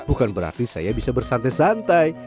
bukan berarti saya bisa bersantai santai